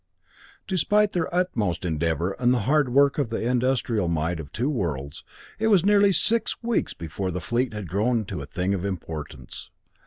V Despite their utmost endeavor and the hard work of the industrial might of two worlds, it was nearly six weeks before the fleet had grown to a thing of importance.